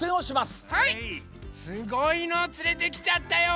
すごいのをつれてきちゃったよ